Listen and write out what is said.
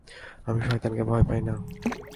আমি শয়তানকে ভয় পাই না।